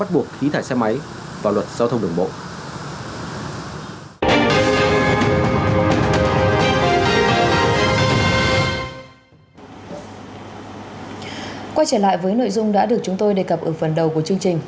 quay trở lại với nội dung đã được chúng tôi đề cập ở phần đầu của chương trình